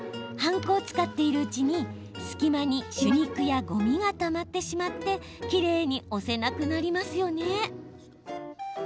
ハンコを使っているうちに隙間に朱肉やごみがたまってしまってきれいに押せなくなりますよね？